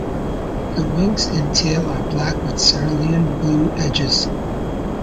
The wings and tail are black with cerulean blue edges.